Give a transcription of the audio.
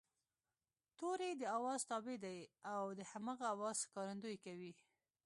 توری د آواز تابع دی او د هماغه آواز ښکارندويي کوي